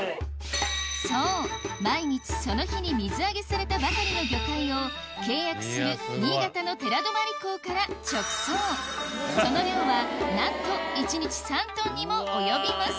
そう毎日その日に水揚げされたばかりの魚介を契約する新潟の寺泊港から直送その量はなんと一日３トンにも及びます